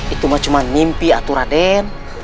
itu mah cuma mimpi atura den